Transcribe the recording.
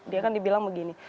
dia kan dibilang begini